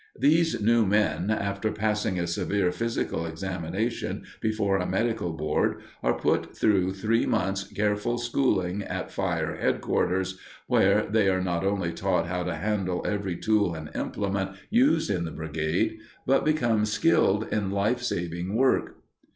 These new men, after passing a severe physical examination before a medical board, are put through three months' careful schooling at fire headquarters, where they are not only taught how to handle every tool and implement used in the brigade, but become skilled in life saving work.